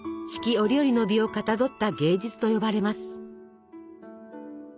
折々の美をかたどった芸術と呼ばれます。